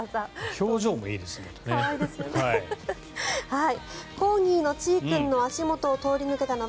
表情もいいですね、またね。